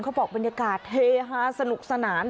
บอกบรรยากาศเฮฮาสนุกสนาน